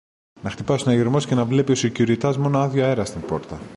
να χτυπάει ο συναγερμός και ο σεκιουριτάς να βλέπει μόνο άδειο αέρα στην πόρτα